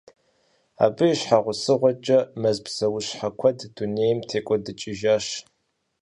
Абы и щхьэусыгъуэкӏэ, мэз псэущхьэ куэд дунейм текӀуэдыкӀыжащ.